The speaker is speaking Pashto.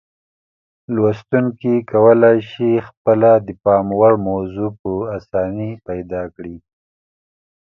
لوستونکي کولای شي خپله د پام وړ موضوع په اسانۍ پیدا کړي.